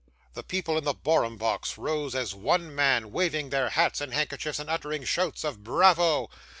The people in the Borum box rose as one man, waving their hats and handkerchiefs, and uttering shouts of 'Bravo!